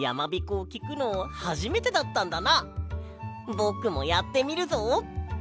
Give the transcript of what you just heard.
ぼくもやってみるぞ！